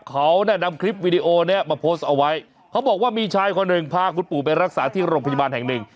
เขาน่ะนำคลิปวิดีโอนี้มาโพสต์เอาไว้เขาบอกว่ามีชายคนหนึ่งพาคุณปู่ไปรักษาที่โรงพยาบาลแห่งหนึ่ง